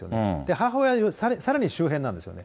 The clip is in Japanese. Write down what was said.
母親はさらに周辺なんですよね。